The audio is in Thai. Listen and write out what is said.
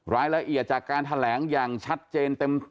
รายละเอียดจากการแถลงอย่างชัดเจนเต็ม